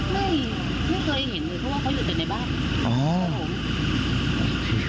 ไม่ไม่เคยเห็นเลยเพราะว่าเขาอยู่แต่ในบ้านอ๋อ